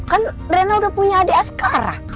kan drena udah punya adik sekarang